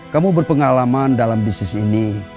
kamu berpengalaman dalam bisnis ini